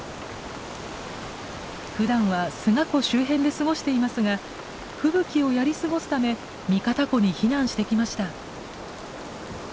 ふだんは菅湖周辺で過ごしていますが吹雪をやり過ごすため三方湖に避難してきました。